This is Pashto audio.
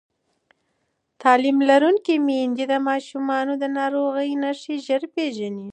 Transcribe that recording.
تعلیم لرونکې میندې د ماشومانو د ناروغۍ نښې ژر پېژني.